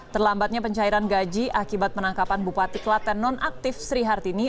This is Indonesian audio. terlambatnya pencairan gaji akibat penangkapan bupati klaten nonaktif sri hartini